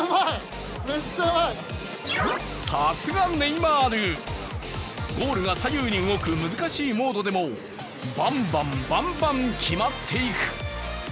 さすがネイマール、ゴールが左右に動く難しいモードでもバンバン、バンバン決まっていく。